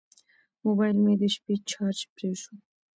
موبایل مې د شپې چارج پرې شو.